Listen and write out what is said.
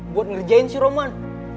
buat ngerjain si roman